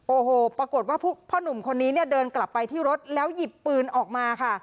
โอ้โหปรากฏว่าพ่อหนุ่มคนนี้เนี่ยเดินกลับไปที่รถแล้วหยิบปืนออกมาค่ะ